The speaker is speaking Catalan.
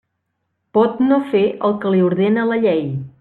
Pot no fer el que li ordena la llei.